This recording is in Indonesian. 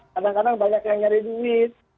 kadang kadang banyak yang nyari duit